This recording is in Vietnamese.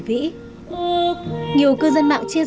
nhiều cư dân mạng chia sẻ những ấn tượng của các nhạc trưởng danh tiếng